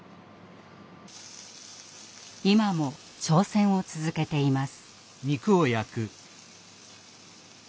今も挑戦を続けています。